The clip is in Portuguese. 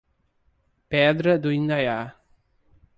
Pedra do Indaiá